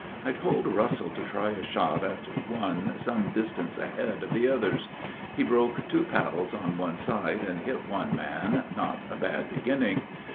I told Russell to try a shot at one some distance ahead of the others. He broke two paddles on one side and hit one man, not a bad beginning.